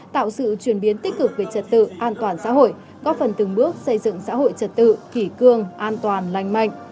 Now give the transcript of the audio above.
tạo sự chuyển biến tích cực về trật tự an toàn xã hội góp phần từng bước xây dựng xã hội trật tự kỷ cương an toàn lành mạnh